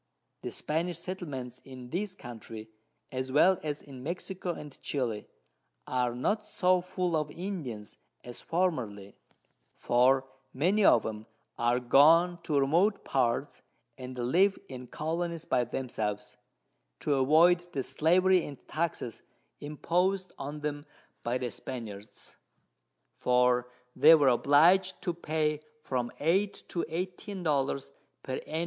The Spanish Settlements in this Country, as well as in Mexico and Chili, are not so full of Indians as formerly; for many of 'em are gone to remote Parts, and live in Colonies by themselves, to avoid the Slavery and Taxes impos'd on them by the Spaniards, for they were oblig'd to pay from 8 to 14 Dollars _per Ann.